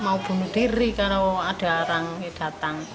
mau bunuh diri kalau ada orang datang